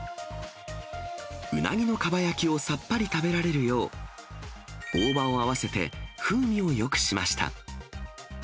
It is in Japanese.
うなぎのかば焼きをさっぱり食べられるよう、大葉を合わせて風味をよくしました。